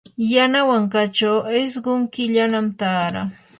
yanawankachaw isqun killanam taaraa.